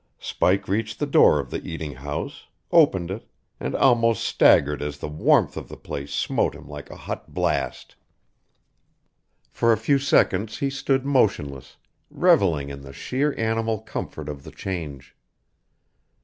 Spike reached the door of the eating house, opened it, and almost staggered as the warmth of the place smote him like a hot blast. For a few seconds he stood motionless, reveling in the sheer animal comfort of the change.